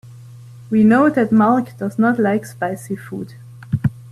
We know that Mark does not like spicy food.